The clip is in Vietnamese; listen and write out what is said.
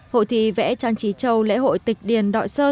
hội thi vẽ trang trí châu lễ hội tịch điền đội sơn